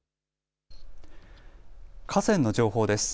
河川の情報です。